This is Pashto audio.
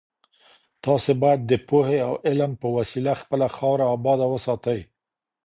تاسو بايد د پوهي او علم په وسيله خپله خاوره اباده وساتئ.